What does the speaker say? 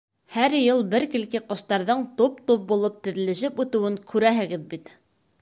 Һәр йыл бер килке ҡоштарҙың туп-туп булып теҙелешеп үтеүен күрәһегеҙ бит.